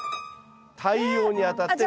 太陽に当たって。